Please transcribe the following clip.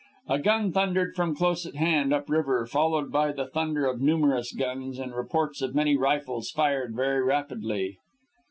A gun thundered from close at hand, up river, followed by the thunder of numerous guns and the reports of many rifles fired very rapidly.